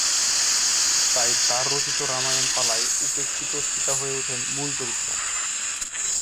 তাই তাঁর রচিত রামায়ণ পালায় উপেক্ষিত সীতা হয়ে ওঠেন মূল চরিত্র।